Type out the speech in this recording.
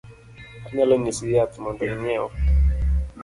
anyalo nyisi yath mondo inyiew